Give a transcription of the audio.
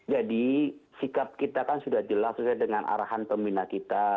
jadi sikap kita kan sudah jelas dengan arahan pembina kita